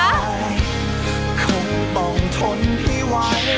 คงต้องทนให้ไว้